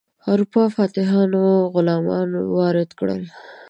اروپایي فاتحانو غلامان وارد کړل.